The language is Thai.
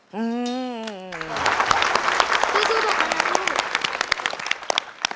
พี่สู้เตอร์กำลังนะลูก